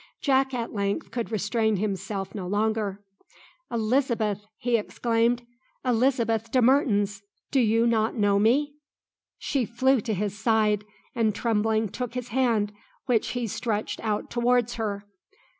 Jack at length could restrain himself no longer. "Elizabeth," he exclaimed, "Elizabeth de Mertens! do you not know me?" She flew to his side, and trembling took his hand which he stretched out towards her.